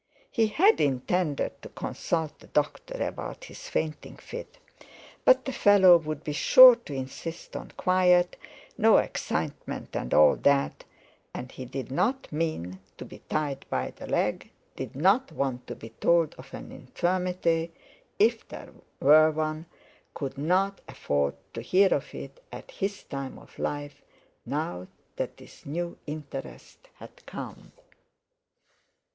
He had intended to consult the doctor about his fainting fit, but the fellow would be sure to insist on quiet, no excitement and all that; and he did not mean to be tied by the leg, did not want to be told of an infirmity—if there were one, could not afford to hear of it at his time of life, now that this new interest had come.